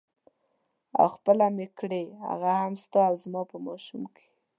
او خپله مې کړې هغه هم ستا او زما په ماشوم کې.